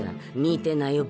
見てなよ